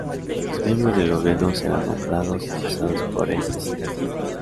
Los miembros del Gobierno serán nombrados y cesados por el presidente.